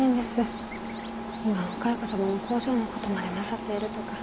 今はお蚕様の工場のことまでなさっているとか。